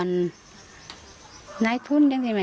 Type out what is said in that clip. ทีนี้ก็ต้องถามคนกลางหน่อยกันแล้วกัน